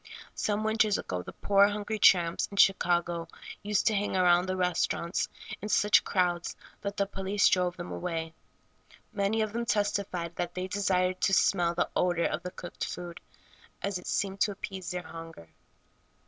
Some winters ago the poor, hungry tramps in Chicago used to hang around the restaurants in such crowds that the police drove them away. Many of them testified that they desired to smell the odor of the cooked food, as it seemed to appease their hunger.